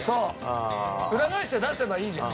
裏返して出せばいいじゃん。